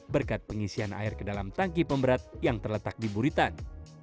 berkat pengisian air ke dalam tangki pemberat yang terletak di buritan